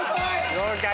合格。